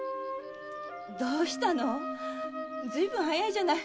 どうしたのずいぶん早いじゃない。